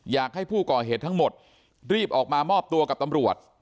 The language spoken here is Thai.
อยากให้ผู้ก่อเหตุทั้งหมดรีบออกมามอบตัวกับตำรวจ